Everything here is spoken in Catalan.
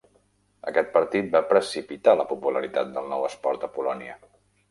Aquest partit va precipitar la popularitat del nou esport a Polònia.